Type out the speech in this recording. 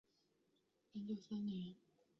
文久三年。